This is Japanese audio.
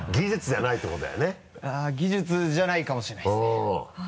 あっ技術じゃないかもしれないですね。